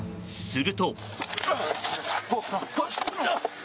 すると。